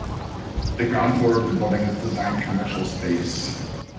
The ground floor of the building is designed commercial space.